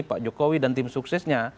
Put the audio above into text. pak jokowi dan tim suksesnya